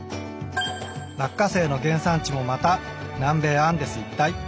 ラッカセイの原産地もまた南米アンデス一帯。